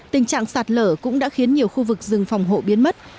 tình trạng sạt lở cũng đã khiến nhiều khu vực rừng phòng hộ biến mất